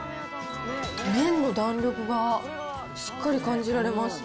麺の弾力がしっかり感じられます。